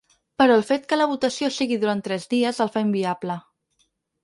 Però el fet que la votació sigui durant tres dies el fa inviable.